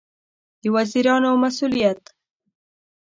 د وزیرانو مسوولیت